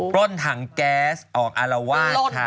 ปล้นถังแก๊สออกอารวาสค่ะ